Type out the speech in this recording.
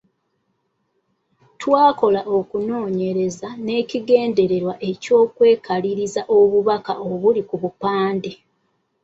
Twakola okunoonyereza n’ekigenderwa eky’okwekaliriza obubaka obuli ku bupande.